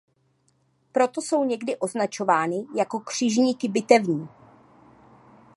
Proto jsou někdy označovány jako křižníky bitevní.